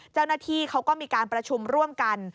เจ้าหน้าที่เขาก็มีการประชุมร่วมกัน